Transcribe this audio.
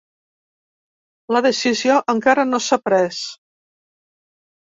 La decisió encara no s’ha pres.